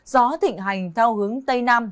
gió thịnh hành theo hướng tây nam